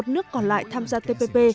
một mươi một nước còn lại tham gia tpp